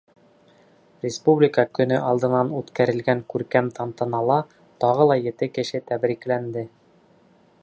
Республика көнө алдынан үткәрелгән күркәм тантанала тағы ла ете кеше тәбрикләнде.